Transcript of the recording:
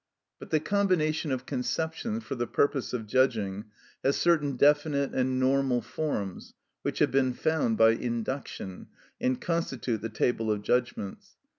But the combination of conceptions for the purpose of judging has certain definite and normal forms, which have been found by induction, and constitute the table of judgments.